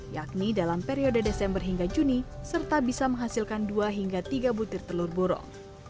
yakni dalam periode desember hingga juni serta bisa menghasilkan dua hingga tiga butir telur burung